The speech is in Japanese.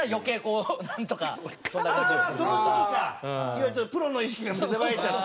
要はちょっとプロの意識が芽生えちゃって。